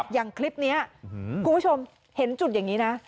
อย่างคลิปนี้คุณผู้ชมเห็นจุดอย่างนี้นะ